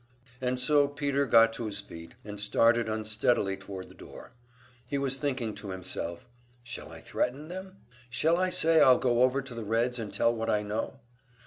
And so Peter got to his feet and started unsteadily toward the door. He was thinking to himself: "Shall I threaten them? Shall I say I'll go over to the Reds and tell what I know?"